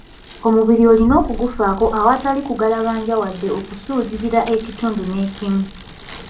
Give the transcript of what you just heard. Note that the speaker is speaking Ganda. Omubiri olina okugufaako awatali kugalabanja wadde okusuulirira ekitundu n'ekimu.